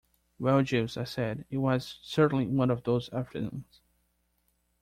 "Well, Jeeves," I said, "it was certainly one of those afternoons."